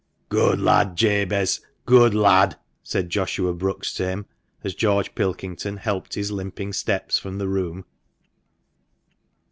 " Good lad, Jabez — good lad !" said Joshua Brookes to him, as George Pilkington helped his limping steps from the room.